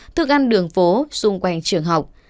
thức ăn đường phố xung quanh trường học